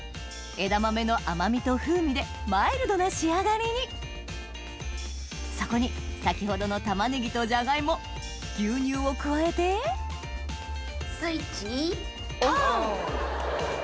枝豆の甘味と風味でマイルドな仕上がりにそこに先ほどの玉ねぎとジャガイモ牛乳を加えてスイッチオン！